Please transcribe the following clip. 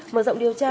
mở rộng điều tra